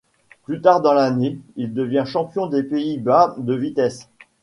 Plus tard dans l'année, il devient champion des Pays-Bas de vitesse.